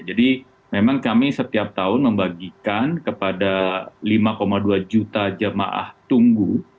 jadi memang kami setiap tahun membagikan kepada lima dua juta jemaah tunggu